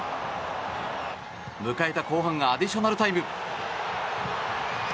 迎えた後半アディショナルタイム。